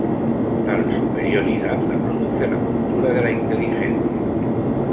Tal superioridad la produce la cultura de la inteligencia.